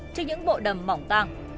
trên những bộ đầm mỏng tàng